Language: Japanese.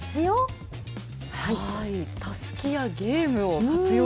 たすきやゲームを活用？